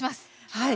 はい。